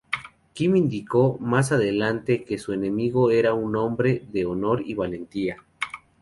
Kim indicó más adelante que su enemigo era un hombre de honor y valentía.